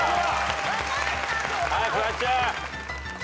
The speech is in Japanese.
はいフワちゃん。